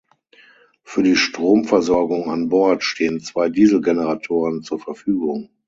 Für die Stromversorgung an Bord stehen zwei Dieselgeneratoren zur Verfügung.